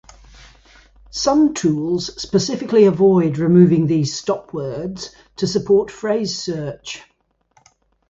Some tools specifically avoid removing these stop words to support phrase search.